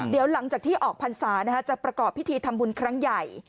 เดี๋ยวหลังจากที่ออกพรรษาจะประกอบพิธีทำบุญครั้งใหญ่